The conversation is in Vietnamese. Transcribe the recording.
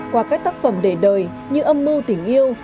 qua các tác phẩm để đời như âm mưu tình yêu